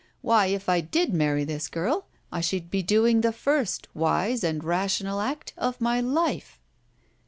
Why, if I did marry this girl I should be doing the first wise and rational act of my life!"